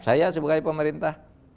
saya sebagai pemerintah